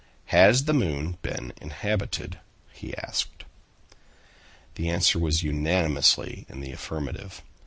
"Has the moon been inhabited?" he asked. The answer was unanimously in the affirmative.